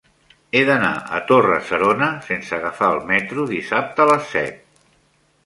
He d'anar a Torre-serona sense agafar el metro dissabte a les set.